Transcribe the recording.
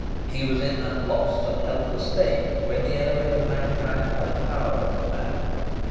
He was in that lost and helpless state when the enemy of mankind has power over man.